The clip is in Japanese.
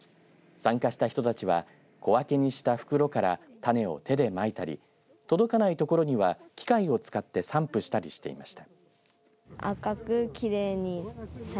参加した人たちは小分けにした袋から種を手でまいたり届かないところには機械を使って散布したりしていました。